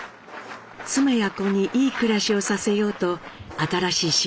妻や子にいい暮らしをさせようと新しい仕事に就きます。